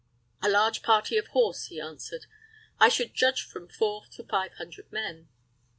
"A large party of horse," he answered. "I should judge from four to five hundred men."